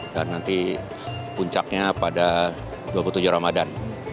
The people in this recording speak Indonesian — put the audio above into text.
dan nanti puncaknya pada dua puluh tujuh ramadan